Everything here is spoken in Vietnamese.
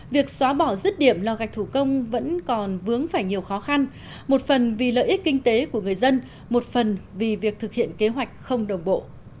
việc xóa bỏ rứt điểm lò gạch thủ công vẫn còn vướng phải nhiều khó khăn một phần vì lợi ích kinh tế của người dân một phần vì việc thực hiện kế hoạch không đồng bộ